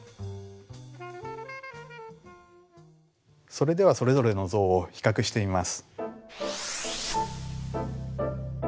それではそれぞれの像を比較してみます。